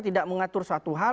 tidak mengatur suatu hal